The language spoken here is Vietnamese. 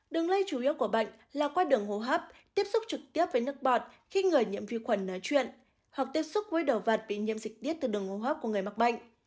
đường lây chủ yếu của bệnh là qua đường hô hấp tiếp xúc trực tiếp với nước bọt khi người nhiễm viên quần nói chuyện hoặc tiếp xúc với đồ vật bị nhiễm dịch điết từ đường hô hấp của người mắc bệnh